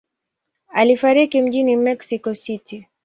Alifariki mjini Mexico City.